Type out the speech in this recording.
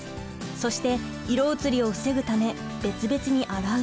そして色移りを防ぐため別々に洗う。